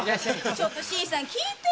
ちょっと新さん聞いてよ。